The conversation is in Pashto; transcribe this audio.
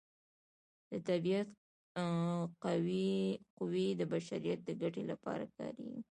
د طبیعت قوې د بشریت د ګټې لپاره کاریږي.